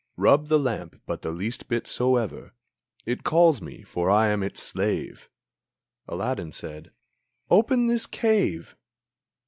Rub the lamp but the least bit soever, It calls me, for I am its slave!" Aladdin said, "Open this cave!"